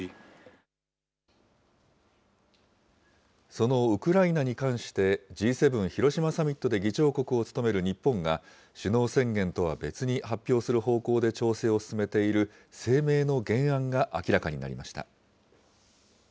そのウクライナに関して、Ｇ７広島サミットで議長国を務める日本が、首脳宣言とは別に発表する方向で調整を進めている声明の原案が明らかになりました。